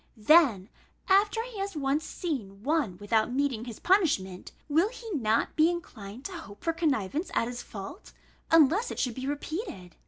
Then after he has once seen one without meeting his punishment, will he not be inclined to hope for connivance at his fault, unless it should be repeated?